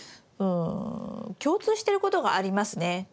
うん共通していることがありますね。